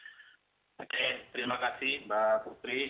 oke terima kasih mbak putri